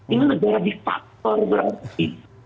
ini negara difaktor berarti